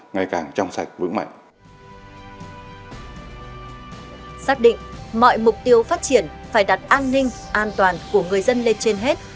ngày càng trong sạch